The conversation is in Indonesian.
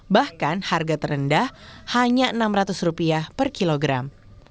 bahkan harga terendah hanya rp enam ratus per kilogram